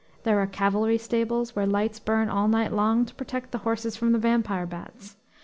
There are cavalry stables, where lights burn all night long to protect the horses from the vampire bats.